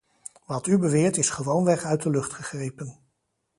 Wat u beweert is gewoonweg uit de lucht gegrepen.